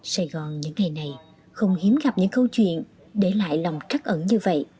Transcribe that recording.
sài gòn những ngày này không hiếm gặp những câu chuyện để lại lòng trắc ẩn như vậy